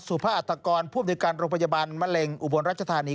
สุภาษณ์อาทกรผู้บริการโรงพยาบาลมะเร็งอุบวนรัชธานี